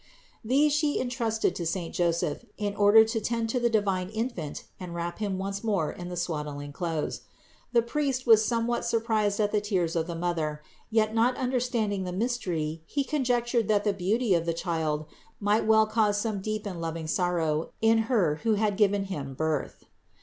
These She entrusted to saint Joseph, in order to tend to the divine Infant and wrap Him once more in the swaddling clothes. The priest was somewhat sur prised at the tears of the Mother; yet, not understanding the mystery, he conjectured that the beauty of the Child might well cause such deep and loving sorrow in Her who had given Him birth.